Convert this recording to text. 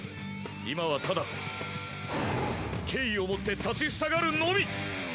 今はただ敬意を持って立ちふさがるのみ！